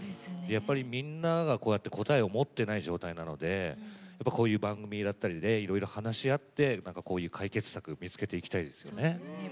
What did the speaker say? みんなが、こうやって答えを持っていない状態なのでこういう番組だったりいろいろ話し合って解決策、見つけていきたいですね。